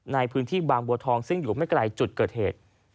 ในพื้นที่บางบัวทองซึ่งอยู่ไม่ไกลจุดเกิดเหตุ